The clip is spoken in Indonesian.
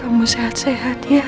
kamu sehat sehat ya